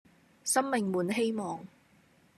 生命滿希望